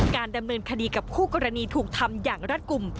การดำเนินคดีกับคู่กรณีถูกทำอย่างรัฐกลุ่ม